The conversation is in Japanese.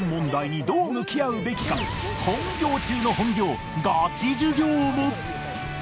本業中の本業ガチ授業も！